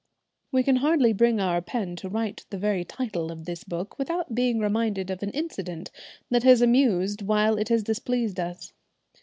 We can hardly bring our pen to write the very title of this book without being reminded of an incident that has amused while it has displeased us.